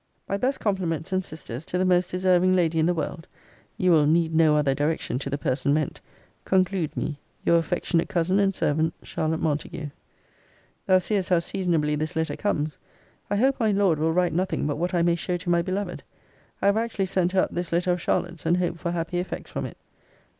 My best compliments, and sister's, to the most deserving lady in the world [you will need no other direction to the person meant] conclude me Your affectionate cousin and servant, CHARL. MONTAGUE. Thou seest how seasonably this letter comes. I hope my Lord will write nothing but what I may show to my beloved. I have actually sent her up this letter of Charlotte's, and hope for happy effects from it.